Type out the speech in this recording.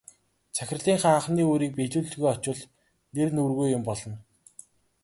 Захирлынхаа анхны үүрийг биелүүлэлгүй очвол нэр нүүргүй юм болно.